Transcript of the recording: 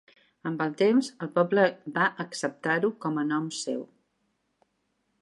Amb el temps, el poble va acceptar-ho com a nom seu.